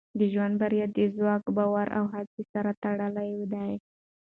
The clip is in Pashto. د ژوند بریا د ځواک، باور او هڅې سره تړلې ده.